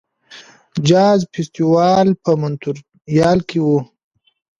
د جاز فستیوال په مونټریال کې وي.